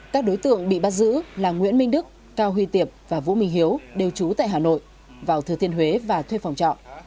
các đối tượng bị bắt giữ là nguyễn minh đức cao huy tiệp và vũ minh hiếu đều trú tại hà nội vào thừa thiên huế và thuê phòng trọ